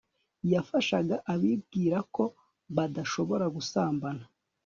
yafashaga abibwiraga ko badashobora gusambana